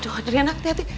aduh adriana hati hati